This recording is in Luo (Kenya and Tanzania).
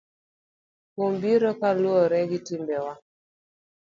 Kum biro kaluwore gi timbewa.